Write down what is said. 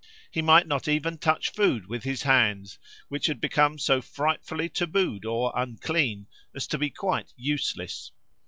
He might not even touch food with his hands, which had become so frightfully tabooed or unclean as to be quite useless.